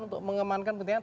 untuk mengembangkan pentingnya